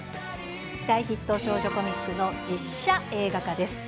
大ヒット少女コミックの実写映画化です。